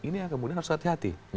ini yang kemudian harus hati hati